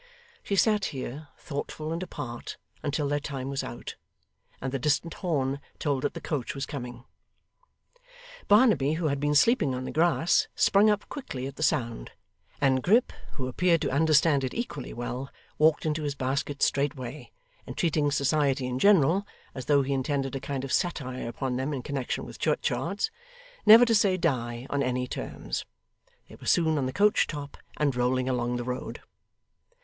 She sat here, thoughtful and apart, until their time was out, and the distant horn told that the coach was coming. Barnaby, who had been sleeping on the grass, sprung up quickly at the sound; and Grip, who appeared to understand it equally well, walked into his basket straightway, entreating society in general (as though he intended a kind of satire upon them in connection with churchyards) never to say die on any terms. They were soon on the coach top and rolling along the road.